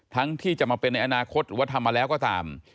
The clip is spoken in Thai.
ทั้งที่จะมาเป็นในอนาคตว่าทำมาแล้วก็ตาม